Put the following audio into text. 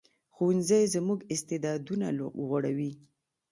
ښوونځی زموږ استعدادونه غوړوي